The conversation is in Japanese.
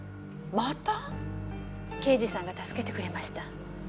刑事さんが助けてくれました。